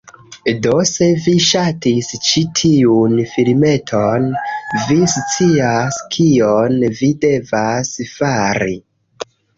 Do se vi ŝatis ĉi tiun filmeton, vi scias, kion vi devas fari: